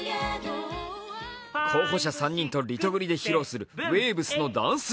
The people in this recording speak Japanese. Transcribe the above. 候補者３人とリトグリで披露する